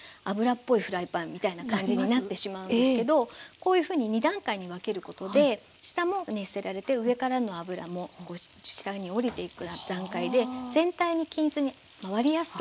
こういうふうに２段階に分けることで下も熱せられて上からの油も下に下りていく段階で全体に均一に回りやすくなるので。